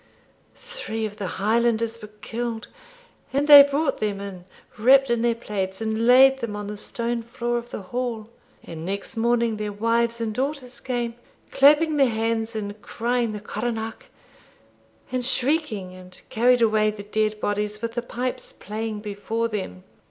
Three of the Highlanders were killed, and they brought them in wrapped in their plaids, and laid them on the stone floor of the hall; and next morning, their wives and daughters came, clapping their hands, and crying the coronach, and shrieking, and carried away the dead bodies, with the pipes playing before them.